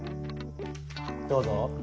どうぞ。